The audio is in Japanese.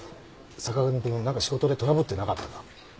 坂上くんなんか仕事でトラブってなかったか？